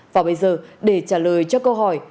và bây giờ để trả lời cho câu hỏi